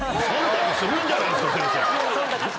するんじゃないですか先生！